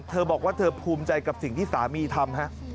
เธอบอกว่าเธอภูมิใจกับสิ่งที่สามีทำฮะ